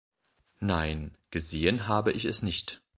Nein, gesehen habe ich es nicht.